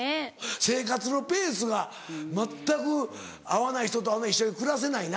生活のペースが全く合わない人と一緒に暮らせないな。